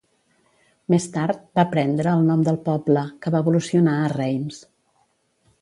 Més tard va prendre el nom del poble, que va evolucionar a Reims.